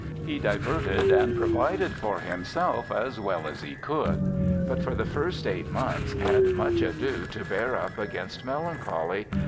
*'He diverted and provided for himself as well as he could ; but for the first eight months had much ado to bear up against melancholy.